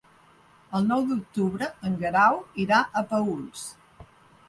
El nou d'octubre en Guerau irà a Paüls.